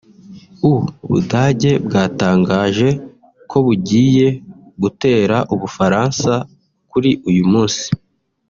u Budage bwatangaje ko bugiye gutera ubufaransa kuri uyu munsi